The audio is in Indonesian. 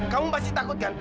kamu pasti takut kan